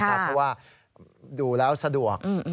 เพราะว่าดูแล้วสะดวก